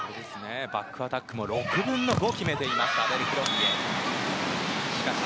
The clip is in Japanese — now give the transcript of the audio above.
バックアタックも６分の５決めているアベルクロンビエ。